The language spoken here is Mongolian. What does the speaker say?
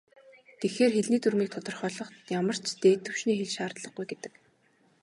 Тэгэхээр, хэлний дүрмийг тодорхойлоход ямар ч "дээд түвшний хэл" шаардлагагүй гэдэг.